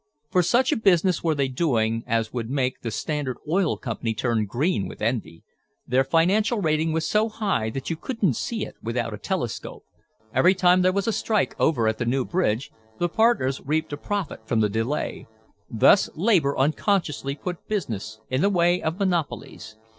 For such a business were they doing as would make the Standard Oil Company turn green with envy. Their financial rating was so high that you couldn't see it without a telescope. Every time there was a strike over at the new bridge the partners reaped a profit from the delay. Thus labor unconsciously put business in the way of monopolies.